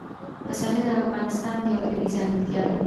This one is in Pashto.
پسرلی د افغانستان یوه طبیعي ځانګړتیا ده.